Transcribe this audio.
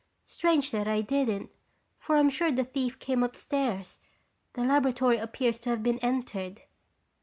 Strange that I didn't, for I'm sure the thief came upstairs. The laboratory appears to have been entered."